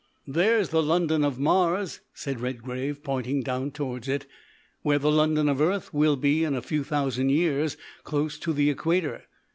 "There's the London of Mars!" said Redgrave, pointing down towards it; "where the London of Earth will be in a few thousand years, close to the Equator.